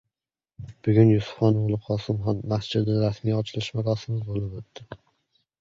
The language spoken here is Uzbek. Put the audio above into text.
Bugun “Yusufxon o‘g‘li Qosimxon” masjidi rasmiy ochilish marosimi bo‘lib o‘tdi.